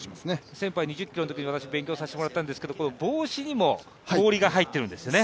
先輩、２０ｋｍのときに私勉強させていただいたんですけど帽子にも氷が入っているんですね。